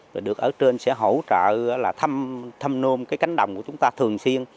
rồi được ở trên sẽ hỗ trợ là thăm nôm cái cánh đồng của chúng ta thường xuyên